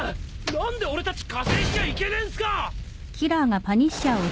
何で俺たち加勢しちゃいけねえんすか！？